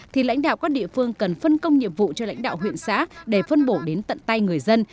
thì lãnh đạo các địa phương cần phân công nhiệm vụ cho lãnh đạo huyện xã để phân bổ đến tận tay người dân